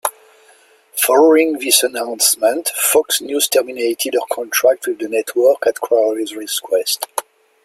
Following this announcement, Fox News terminated her contract with the network at Crowley's request.